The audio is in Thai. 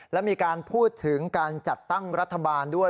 และมีการพูดถึงการจัดตั้งรัฐบาลด้วย